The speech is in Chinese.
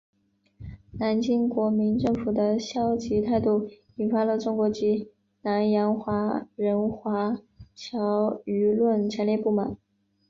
南京国民政府的消极态度引发中国及南洋华人华侨舆论强烈不满。